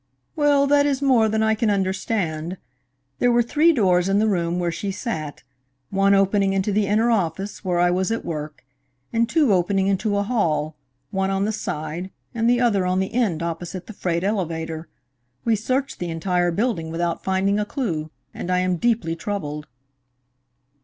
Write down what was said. "Well, that is more than I can understand. There were three doors in the room where she sat, one opening into the inner office where I was at work, and two opening into a hall, one on the side and the other on the end opposite the freight elevator. We searched the entire building without finding a clew, and I am deeply troubled."